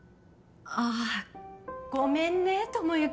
ああごめんね智之